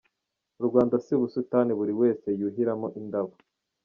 U Rwanda si ubusitani buri wese yuhiramo indabo.